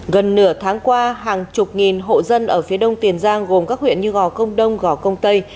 gần nửa tháng qua hàng chục nghìn hộ dân ở phía đông tiền giang gồm các huyện như gò công đông gò công tây